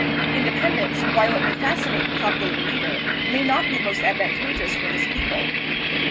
Independence, while it may fas cinate the popular leader, may not be most advantageous for this people.